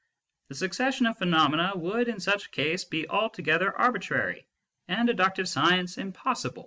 The succession of phenomena would in such case be altogether arbitrary, and deductive Science impossible."